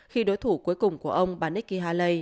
khi đối thủ cuối cùng của ông bà nikki haley